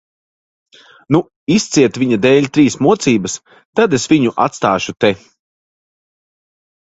Nu, izciet viņa dēļ trīs mocības, tad es viņu atstāšu te.